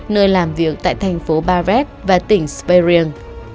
nơi làm việc tại thành phố bavet và tỉnh sperian